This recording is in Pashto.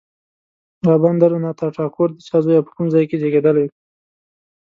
رابندر ناته ټاګور د چا زوی او په کوم ځای کې زېږېدلی و.